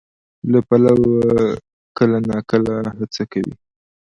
له پلوه کله ناکله هڅه کوي،